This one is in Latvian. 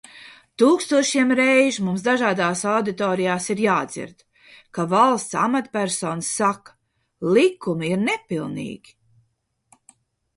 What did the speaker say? Tūkstošiem reižu mums dažādās auditorijās ir jādzird, ka valsts amatpersonas saka: likumi ir nepilnīgi!